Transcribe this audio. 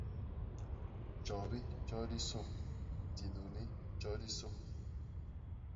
Tjobi tjodisô, dinuni tjodisô.